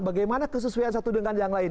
bagaimana kesesuaian satu dengan yang lain